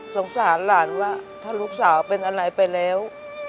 สงสารหลานว่าถ้าลูกสาวเป็นอะไรไปแล้ว